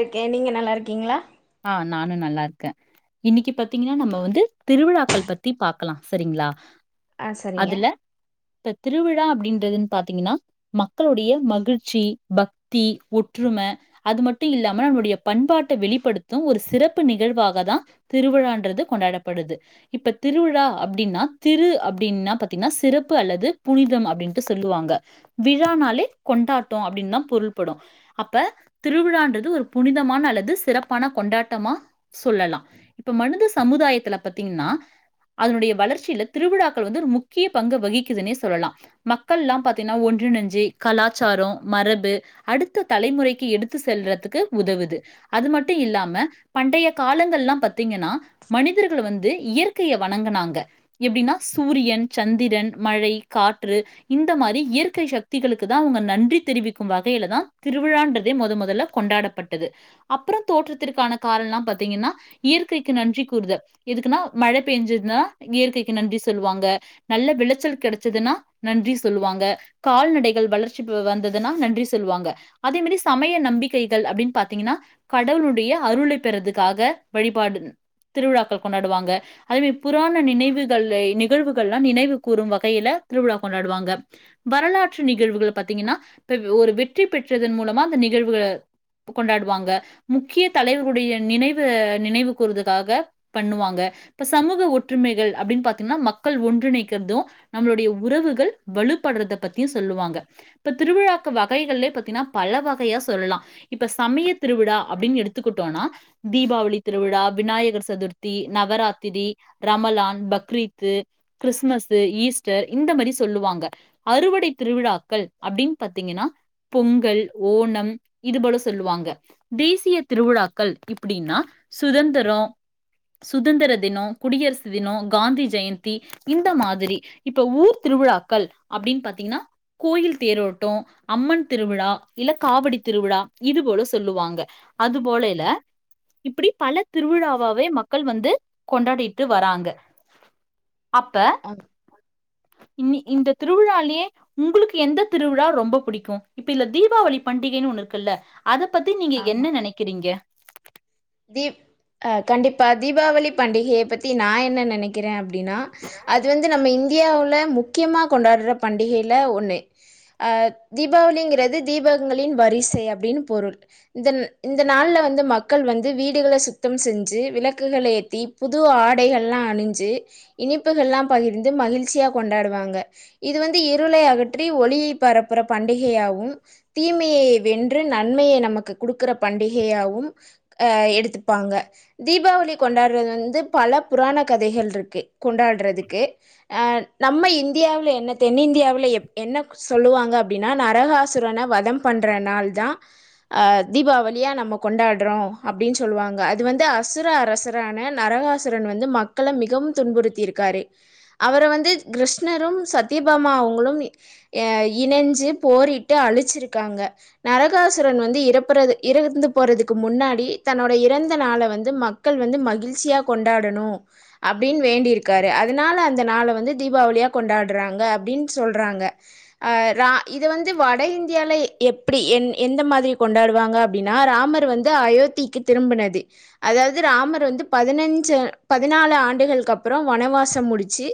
ருக்க நீங்க நல்லாருக்கீங்ளா ஆ நானு நல்லா இருக்க இன்னைக்கி பாத்தீங்னா நம்ம வந்து திருவிழாக்கள் பத்தி பாக்கலா சரிங்களா ஆ சரிங்க அதுல இப்ப திருவிழா அப்டின்றதுன்னு பாத்தீங்னா மக்களோடைய மகிழ்ச்சி பக்தி ஒற்றும அது மட்டு இல்லாம நம்மளோடய பண்பாட்ட வெளிப்படுத் து ஒரு சிறப்பு நிகழ்வாக தா திருவிழான்றது கொண்டாடப்படுது இப்ப திருவிழா அப்டீன்னா திரு அப்டீன்னா பாத்தீங்ன்னா சிறப்பு அல்லது புனிதம் அப்டீன்ட்டு சொல்லுவாங்க விழானாலே கொண்டாட்டோ அப்டீன்தா பொருள்படோ அப்ப திருவிழான்றது ஒரு புனிதமான அல்லது சிறப் பான கொண்டாட்டமா சொல்லலா இப்ப மனித சமுதாயத்துல பத்தீங்கன்னா அதனுடைய வளர்ச்சியில திருவிழாக்கள் வந்து ஒரு முக்கிய பங்கு வகிக்குதுன்னே சொல்லலா மக்கள்லா பாத்தீங்ன்னா ஒன்றினஞ்சி கலாச்சாரோ மரபு அடுத்த தலைமுறைக்கு எடுத்து செல்றதுக்கு உதவுது அது மட் டு இல்லாம பண்டைய காலங்கள்லா பாத்தீங்கன்னா மனிதர்கள் வந்து இயற்கைய வணங்குனாங்க எப்டீன்னா சூரியன் சந்திரன் மழை காற்று இந்த மாரி இயற்கை சக்திகளுக்குதா அவுங்க நன்றி தெரிவிக்கும் வகையிலதா திருவிழான்றதே மொத மொதல்ல கொண்டாடப்பட்டது அப்புறோ தோற்றத்திற்கான காரணோலா பாத்தீங்கன்னா இயற்கைக்கு நன்றி கூறுத எதுக்குன்னா மழை பெய்ஞ்சுதுன்னா இயற்கைக்கு நன்றி சொல்லுவாங்க நல்ல விளைச்சல் கெடைச்சுதுன்னா நன்றி சொல்லுவாங்க கால்நடைகள் வளர்ச்சி வந்ததுன்னா நன்றி சொல்லுவாங்க அதே மாரி சமய நம்பிக்கைகள் அப்டின்னு பாத்தீங்கன்னா கடவுளுடைய அருளை பெறதுக்காக வழிபாடு திருவிழாக்கள் கொண்டாடுவாங்க அதே மாரி புராண நினைவுகள் நிகழ்வுகள்லா நினைவு கூறும் வகையில திருவிழா கொண்டாடுவாங்க வரலாற்று நிகழ்வுகள பாத்தீங்கன்னா இப்ப ஒரு வெற்றி பெற்றதன் மூலமா அந்த நிகழ்வுகள கொண்டாடுவாங்க முக்கிய தலைவர்களுடைய நினைவு நினைவு கூறுவதுக்காக பண்ணுவாங்க இப்ப சமூக ஒற்றுமைகள் அப்டீன் பாத்தீங்கன்னா மக்கள் ஒன்றிணைக்கிறதோ நம்மளுடைய உறவுகள் வலுப்படுறத பத்தியு சொல்லுவாங்க இப்ப திருவிழாக்கு வகைகள்லே பாத்தீங்கன்னா பல வகையா சொல்லலா இப்ப சமய திருவிழா அப்டீன்னு எடுத்துக்குட்டோனா தீபாவளி திருவிழா விநாயகர் சதுர்த்தி நவராத்திரி ரமலான் பக்ரீத்து கிருஷ்மசு ஈஸ்டர் இந்த மாரி சொல்லுவாங்க அறுவடை திருவிழாக்கள் அப்டீன்னு பாத்தீங்கன்னா பொங்கல் ஓணம் இது போல சொல்லுவாங்க தேசிய திருவிழாக்கள் இப்டீன்னா சுதந்திரோ சுதந்திர தினோ குடியரசு தினோ காந்தி ஜெயந்தி இந்த மாதிரி இப்ப ஊர் திருவிழாக்கள் அப்டின்னு பாத்தீங்கன்னா கோயில் தேரோட்டோ அம்மன் திருவிழா இல்ல காவடி திருவிழா இது போல சொல்லுவாங்க அது போல இல்ல இப்புடி பல திருவிழாவாவே மக்கள் வந்து கொண்டாடிட்டு வராங்க அப்ப ஆ இன்னி இந்த திருவிழாலயே உங்குளுக்கு எந்த திருவிழா ரொம்ப புடிக்கோ இப்ப இதுல தீபாவளி பண்டிகைன்னு ஒண்ணு இருக்குல அத பத்தி நீ ஆ என்ன நெனைக்கிறீங்க தீப் அ கண்டிப்பா தீபாவளி பண்டிகைய பத்தி நா என்ன நெனக் கிறே அப்டீன்னா அது வந்து நம்ம இந்தியாவுல முக்கியமா கொண்டாட்ற பண்டிகைல ஒண்ணு அ தீபாவளிங்கிறது தீபங்களின் வரிசை அப்டீன்னு பொருள் இந்த இந்த நாள்ல வந்து மக்கள் வந் து வீடுகள சுத்தம் செஞ்சி விளக்குகள் ஏத்தி புது ஆடைகள்லா அணிஞ்சி இனிப்புகள்லா பகிர்ந்து மகிழ்ச்சியா கொண்டாடுவாங்க இது வந்து இருளை அகற்றி ஒளியை பரப்புர பண்டிகையாகும் தீமையை வென்று நன்மையை நமக்கு குடுக்குற பண்டிகையாவும் அ எடுத்துப்பாங்க தீபாவளி கொண்டாட்றது வந்து பல புராண கதைகள் இருக்கு கொண்டாட்றதுக்கு அ நம்ம இந்தியாவ்ல என்ன தென்னிந்தியாவுல எப் என்ன சொல்லுவாங்க அப்டின்னா நரகாசுரன வதம் பண்ற நாள் தா அ தீபாவளியா நம்ப கொண்டாட்றோ அப்டின் சொல்லுவாங்க அது வந்து அசுர அரசரான நரகாசூரன் வந்து மக்கள மிகவும் துன்புறுத்தியிருக் க்காரு அவர வந்து கிருஷ்ணரும் சத்தய பாமா அவுங்ளும் ஏ இணைஞ்சு போரிட்டு அழிச்சிருக்காங்க நரகாசூரன் வந்து இறப்புறது இறந்து போறதுக்கு முன்னாடி தன்னோட இறந்த நாள வந்து மக்கள் வந்து மகிழ்ச்சியா கொண்டாடணு அப்டின் வேண்டியிருக்காரு அதனால அந்த நாள வந்து தீபாவளியா கொண்டாட்றாங்க அப்டின் சொல்றாங்க அ ரா இது வந்து வட இந்தியாலே எப்டி என் எந்த மாதிரி கொண்டாடுவாங்க அப்டின்னா ராமர் வந்து அயோத்திக்கு திரும்புனது அதாவ்து ராமர் வந்து பதினஞ்சு பதினாலு ஆண்டுள்க்கு அப்றோ வனவாசோ முடிச்சு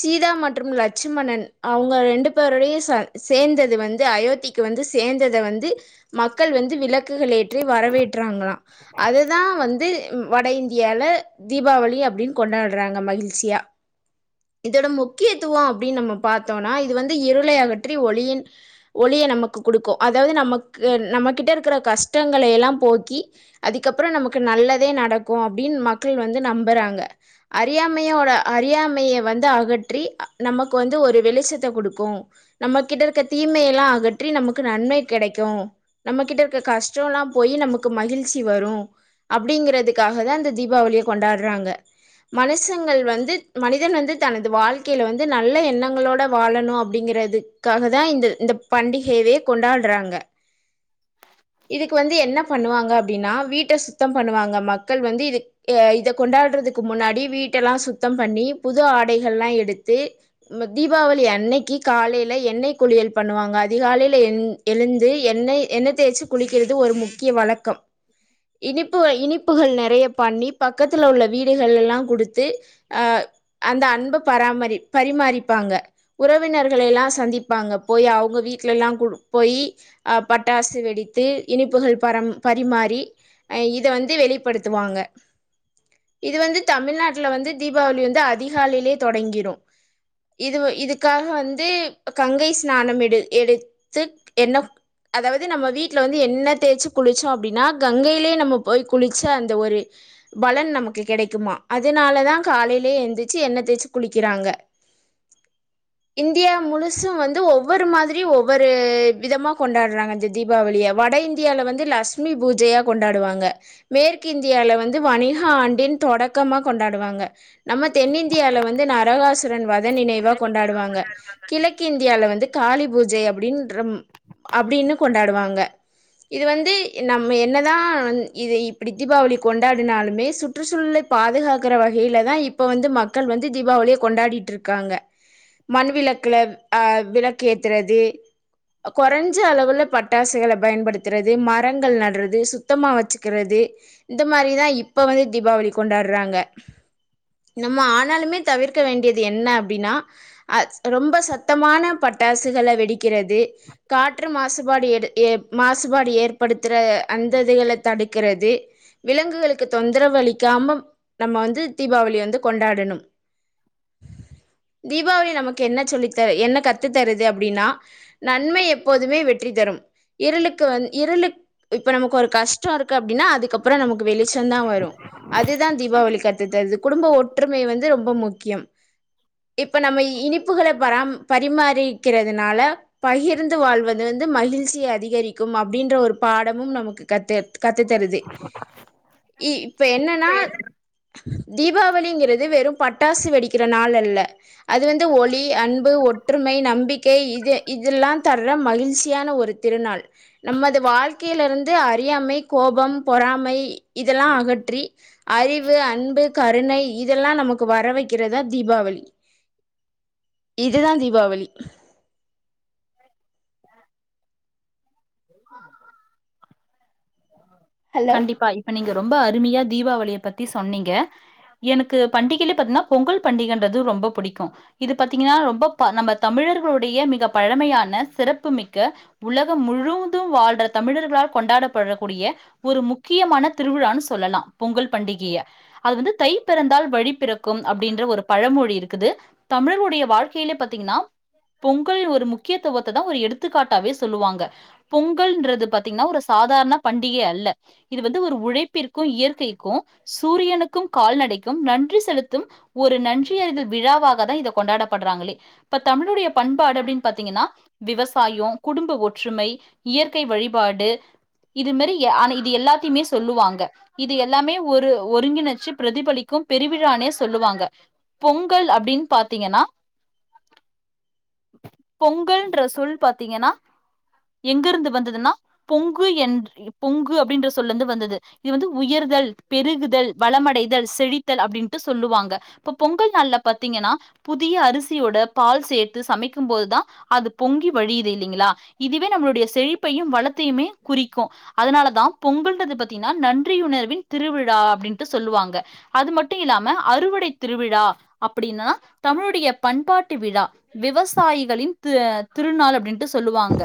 சீதா மற்றும் லட்சுமணன் அவுங்க ரெண்டு பேருடைய சன் சேந்தது வந்து அயோத்திக்கு வந்து சேந்தத வந்து மக்கள் வந்து விளக்குகள் ஏற்றி வரவேற்றாங்களா அதுதா வந்து வட இந்தியால தீபாவளி அப்டின்னு கொண்டாட்றாங்க மகிழ்ச்சியா இதோட முக்கியத்துவோ அப்டின்னு நம்ம பாத்தோனா இது வந்து இருளை அகற்றி ஒளியின் ஒளிய நமக்கு குடுக்கு அதாவது நமக்கு நம்மகிட்ட இருக்குற கஷ்டங்கள எல்லா போக்கி அதுக்கப்றோ நமக்கு நல்லதே நடக்கு அப்டின் மக்கள் வந்து நம்புறாங்க அறியாமையோட அறியாமைய வந்து அகற்றி நமக்கு வந்து ஒரு வெளிச்சத்த குடுக்கு நம்மகிட்ட இருக்க தீமைய எல்லா அகற்றி நமக்கு நன்மை கெடைக்கு நம்மகிட்ட இருக்க கஷ்டோல்லா போயி நமக்கு மகிழ் ச்சி வரு அப்டிங்கறதுக்காக தா அந்த தீபாவளிய கொண்டாட்றாங்க மனுஷங்கள் வந்து மனிதன் வந்து தனது வாழ்க்கையில்ல வந்து நல்ல எண்ணங்களோட வாழணு அப்டிங்கிறது அதுக்காக தா இந்த இந்த பண்டிகையவே கொண்டாட்றாங்க இதுக்கு வந்து என்ன பண்ணுவாங்க அப்டின்னா வீட்ட சுத்தோ பண்ணுவாங்க மக்கள் வந்து இது அ இத கொண்டாட்றதுக்கு முன்னாடி வீட்டெல்லா சுத்தோ பண்ணி புது ஆடைகள் எல்லா எடுத்து தீபாவளி அன்னைக்கு காலைல எண்ணெய் குளியல் பண்ணுவாங்க அதிகாலைல எந் எழுந்து என்னை எண்ண தேச்சு குளிக்கிறது ஒரு முக்கிய வழக்கம் இனிப்பு இனிப்புகள் நெறைய பண்ணி பக்கத்துல உள்ள வீடுகள்லெல்லா குடுத் து அ அந்த அன்ப பராமரி பரிமாறிப்பாங்க உறவினர்கள எல்லா சந்திப்பாங்க போய் அவுங்க வீட்ல எல்லா குடு போய்யி அ பட்டாசு வெடி த்து இனிப்புகள் பரம் பரிமாறி அ இத வந்து வெளிப்படுத்துவாங்க இது வந்து தமிழ்நாட்ல வந்து தீபாவளி வந்து அதிகாலையிலே தொடங்கிறு இது இதுக்காக வந்து கங்கை ஸ்நானம் எடு எடுத்து என்ன அதாவது நம்ம வீட் ல வந்து எண்ண தேச்சு குளிச்சோ அப்டின்னா கங்கையிலே நம்ம போய் குளிச்ச அந்த ஒரு பலன் நமக்கு கிடைக்குமா அதனால தா காலைலே எந்திச்சு எண்ணெ தேச்சு குளிக்கிறாங்க இந்தியா முழுசு வந்து ஒவ்வொரு மாதிரி ஒவ்வொரு விதமா கொண்டாடுறாங்க அந்த தீ பாவளிய வட இந்தியால வந்து லட்சுமி பூஜையா கொண்டாடுவாங்க மேற்கு இந்தியால வந்து வணிக ஆண்டின் தொடக்கமா கொண்டாடுவாங்க நம்ம தென்னிந்தியால வந்து நரகாசூரன் வதன் நினைவா கொண்டாடுவாங்க கிழக்கு இந்தியால வந்து காளி பூஜை அப்டிர்ம் அப்டின்னு கொண்டாடுவாங்க இது வந்து நம்ம என்ன தா இது இப்டி தீபாவளி கொண்டாடுனாலுமே சு ற்றுச்சூழலை பாதுகாக்கற வகையில தா இப்ப வந்து மக்கள் வந்து தீபாவளிய கொண்டாடிட்டு இருக்காங்க மண் விளக்குல அ விளக்கு ஏத்துறது கொறைஞ்ச அளவுல பட் பட்டாசுகள பயன்படுத்துறது மரங்கள் நட்றது சுத்தமா வச்சுக்கிறது இந்த மாரிதா இப்ப வந்து தீபாவளி கொண்டாடுறாங்க நம்ம ஆனாலுமே தவிர்க்க வேண்டியது என்ன அப்டின்னா அ ரொம்ப சத்தமான பட்டாசுகள வெடிக்கிறது காற்று மாசுபாடு எடு எ மாசுபாடு ஏற்படுத்துற அந்த இதுகள தடுக்குறது விலங்குகளுக்கு தொந்தரவு அளிக்காம நம்ம வந்து தீபாவளி வந்து கொண்டாடணும் தீபாவளி நமக்கு என்ன சொல்லித்தரு என்ன கத்து தருது அப்டின்னா நன்மை எப்போதுமே வெற்றி தரும் இருளுக்கு வந் இருளுக் இப்ப நமக்கு ஒரு கஷ் டோ இருக்கு அப்டின்னா அதுக்கப்றோ நமக்கு வெளிச்சோ தா வரு அதுதா தீபாவளி கத்து தருது குடும்ப ஒற்றுமை வந்து ரொம்ப முக்கியம் இப்ப நம்ம இனிப்புகள பரா பரிமாறிக்கிறதுனால பகிர்ந்து வாழ்வது வந்து மகிழ்ச்சியை அதிகரிக்கும் அப்டின்ற ஒரு பாடமும் நமக்கு கத்து கத்து தருது இ இப்ப என்னன்னா தீபாவளிங்கிறது வெறு பட்டாசு வெடிக்கிற நாள் அல்ல அது வந்து ஒளி அன்பு ஒற்றுமை நம்பிக்கை இது இதெல்லா தர்ற மகிழ்ச்சியான ஒரு திருநாள் நமது வாழ்க்கையில இருந்து அறியாமை கோபம் பொறாமை இதெல்லா அகற்றி அறிவு அன்பு கருணை இதெல்லா நமக்கு வர வைக்கிறதா தீபாவளி இதுதா தீபாவளி ஹலோ கண்டிப்பா இப் ப நீங்க ரொம்ப அருமையா தீபாவளிய பத்தி சொன்னீங்க எனக்கு பண்டிகைல பாத்தீனா பொங்கல் பண்டிகன்றது ரொம்ப புடிக்கு இது பாத்தீங்கனா ரொம்ப நம்ம தமிழர்களுடைய மிக பழமையான சிறப்புமிக்க உலகம் முழுவதும் வாழ்ற தமிழர்களால் கொண்டாடப்பட கூடிய ஒரு முக்கியமான திருவிழான்னு சொல்லலா பொங்கல் பண்டிகைய அது வந்து தை பிறந்தால் வழி பிறக்கும் அப்டின்ற ஒரு பழமொழி இருக்குது தமிழர்களுடைய வாழ்க்கையிலே பாத்தீங்கன்னா பொங்கல் ஒரு முக்கியத்துவத்த தா ஒரு எடுத்துக்காட்டாவே சொல்லுவாங்க பொங்கல்ன்றது பாத்தீங்கன்னா ஒரு சாதாரண பண்டிகை அல்ல இது வந்து ஒரு உழைப்பிற்கு இயற்கைக்கு சூரியனுக்கும் கால் நடைக்கும் நன்றி செலுத்தும் ஒரு நன்றி எறிதல் விழாவாக தா இத கொண்டாடப்பட்றாங்களே இப்ப தமிழுடைய பண்பாடு அப்டின்னு பாத்தீங்கன்னா விவசாயோ குடும்ப ஒற்றுமை இயற்கை வழிபாடு இது மேரி ஆன இது எல்லாத்தியுமே சொல்லுவாங்க இது எல்லாமே ஒரு ஒருங்கிணைச்சு பிரதிபலிக்கும் பெருவிழானே சொல்லுவாங்க பொங்கல் அப்டின் பாத்திங்கன்னா. பொங்கல்ன்ற சொல் பாத்தீங்கன்னா எங்கிருந்து வந்ததுன்னா பொங்கு என் பொங்கு அப்படின்ற சொல்ல இருந்து வந்தது இது வந்து உயர்தல் பெருகுதல் வளமடைதல் செழித்தல் அப்டின்ட்டு சொல்லுவாங்க இப்ப பொங்கல் நாள்ல பாத்தீங்கனா புதிய அரிசியோட பால் சேத்து சமைக்கும்போதுதா அது பொங்கி வழியுது இல்லைங்களா இது வே நம்மளுடைய செழிப்பையும் வளத்தையுமே குறிக்கொ அதனாலதா பொங்கல்ன்றது பத்தீங்கனா நன்றியுணர்வின் திருவிழா அப்படின்டு சொல்லுவாங்க அது மட்டு இல்லாம அறுவடை திருவிழா அப்படின்னா தமிழுடைய பண்பாட்டு விழா விவசாயிகளின் த திருநாள் அப்டின்ட்டு சொல்லுவாங்க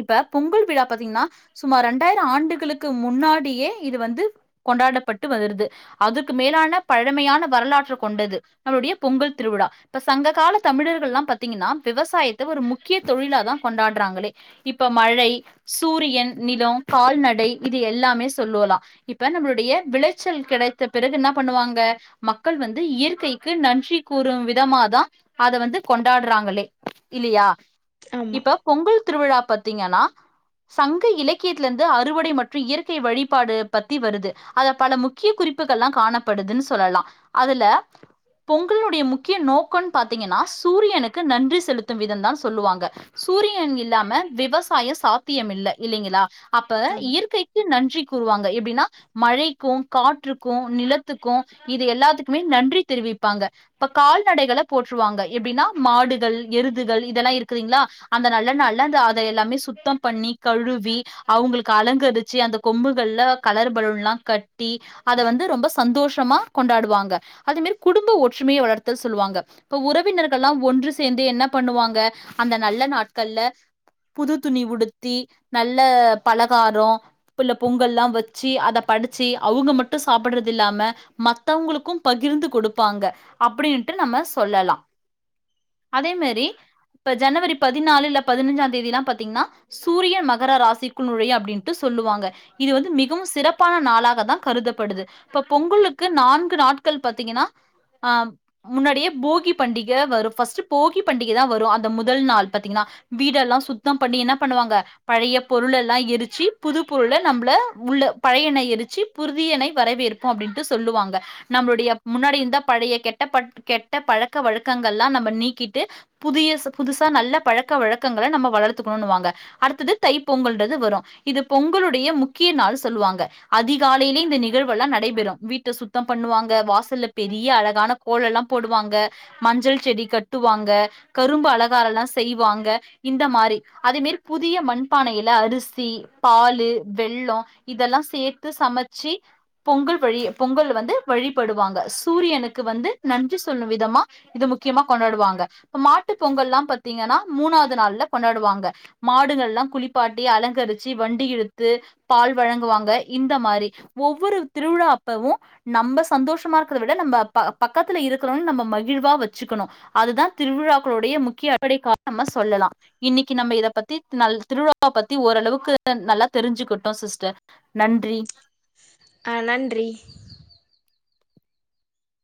இப்ப பொங்கல் விழா பாத்தீங்னா சுமார் ரெண்டாயிரோ ஆண்டுகளுக்கு முன்னாடியே இது வந்து கொண்டாடப்பட்டு வருது அதுக்கு மேலான பழமையான வரலாற்று கொண்டது நம்மளுடைய பொங்கல் திருவிழா இப்ப சங்க கால தமிழர்கள்ல்லா பாத்தீங்கன்னா விவசாயத்த ஒரு முக்கிய தொழிலாதா கொண்டாடுறாங்களே இப்ப மழை சூரியன் நிலோ கால்நடை இது எல்லாமே சொல்லோலா இப்ப நம்மளுடைய விளைச்சல் கிடைத்த பிறகு என்ன பண்ணுவாங்க மக்கள் வந்து இயற்கைக்கு நன்றி கூறு விதமாதா அத வந்து கொண்டாடுறாங்களே இல்லையா ஆமா இப்ப பொங்கல் திருவிழா பத்தீங்கன்னா சங்க இலக்கியத்திலிருந்து அறுவடை மற்றும் இயற்கை வழிபாடு பத்தி வருது அத பல முக் கிய குறிப்புகள்லா காணப்படுதுன் சொல்லலா அதுல பொங்கலுடைய முக்கிய நோக்கன் பாத்தீங்கன்னா சூரியனுக்கு நன்றி செலுத்தும் விதம் தா சொல்லுவாங்க சூரியன் இல்லாம விவசாய சாத்தியம் இல்ல இல்லைங்களா அப்ப ஆமா இயற்கை நன்றி கூறுவாங்க எப்படின்னா மழைக்கு காற்றுக்கு நிலத்துக்கு இது எல்லாத்துக்குமே நன்றி தெரிவிப்பாங்க இப்ப கால்நடைகளை போட்ரூவாங்க எப்டின்னா மாடுகள் எருதுகள் இதெல்லா இருக்குதுங்ளா அந்த நல்ல நாள்ள அந்த அத எல்லாமே சுத்தம் பண்ணி கழுவி அவங்களுக்கு அலங்கரிச்சு அந்த கொம்புகள்ல கலர் பலூன்லா கட்டி அத வந்து ரொம்ப சந்தோஷமா கொண்டாடுவாங்க அதே மாரி குடும்ப ஒற்றுமையை வளர்த்த சொல்லுவாங்க இப்ப உறவினர்கள்ல்லா ஒன்று சேர்ந்து என்ன பண்ணுவாங்க அந்த நல்ல நாட்கள்ல புது துணி உடுத்தி நல்ல பலகாரோ புல பொங்கல்லா வச்சு அத படிச்சு அவங்க மட்டும் சாப்பிடறது இல்லாம மத்தவங்களுக்கு பகிர்ந்து கொடுப்பாங்க அப்டின்ட்டு நம்ம சொல்லலா அதே மாரி இப்ப ஜனவரி பதினாலு இல்ல பதினஞ்சாம் தேதி எல்லா பாத்தீங்கன்னா சூரிய மகர ராசிக்குள் நுழைய அப்டின்ட்டு சொல்லுவாங்க இது வந்து மிகவு சிறப்பான நாளாக தா கருதப்படுது இப்ப பொங்கலுக்கு நான்கு நாட்கள் பாத்தீங்கன்னா அ முன்னாடியே போகி பண்டிகை வரும் ஃபர்ஸ்ட் போகி பண்டிகை தா வரும் அந்த முதல் நாள் பாத்தீங்கன்னா வீடெல்லா சுத்தம் பண்ணி என்ன பண்ணுவாங்க பழைய பொருளெல்லா எரிச்சு புது பொருள நம்பள உள்ள பழையண்ண எரிச்சு புறுதியணை வரவேற்போ அப்டின்ட்டு சொல்லுவாங்க நம்மளுடைய முன்னாடி இருந்த பழைய கெட்ட பட் கெட்ட பழக்க வழக்கங்கல்லா நம்ம நீக்கிட்டு புதிய புதுசா நல்ல பழக்க வழக்கங்கள நம்ம வளர்த்துக்கணுனூவாங்க அடுத்தது தை பொங்கல்ன்றது வரும் இது பொங்கலுடைய முக்கிய நாள் சொல்லுவாங்க அதிகாலையிலயே இந்த நிகழ்வல்லா நடைபெறு வீட்டை சுத்தம் பண்ணுவாங்க வாசல்ல பெரிய அழகான கோல எல்லா போடுவாங்க மஞ்சள் செடி கட்டுவாங்க கரும்பு அழகார எல்லா செய்வாங்க இந்த மாரி தய் அதேமேரி புதிய மண்பானையில அரிசி பாலு வெள்ளொ இதெல்லா சேத்து சமச்சி பொங்கல் வழி பொங்கல் வந்து வழிபடுவாங்க சூரியனுக்கு வந்து நன்றி சொல்லும் விதமா இது முக்கியமா கொண்டாடுவாங்க மாட்டு பொங்கல்லாம் பத்தீங்கன்னா மூணாவ்து நாள்ல கொண்டாடுவாங்க மாடுங்கள்லா குளிப்பாட்டி அலங்கரிச்சி வண்டி இழுத்து பால் வழங்குவாங்க இந்த மாரி ஒவ்வொரு திருவிழா அப்பவு நம்ப சந்தோஷமா இருக்கத விட நம்ப ப பக்கத்துல இருக்குறவ நம்ம மகிழ்வா வச்சுக்கணு அதுதா திருவிழாக்களுடைய முக்கிய அடிப்படைக் காரணமா சொல்லலா இன்னிக்கு நம்ப இத பத்தி நல் திருவிழாவ பத்தி ஓரளவுக்கு நல்லா தெரிஞ்சுக்கிட்டோ சிஸ்டர் நன்றி அ நன்றி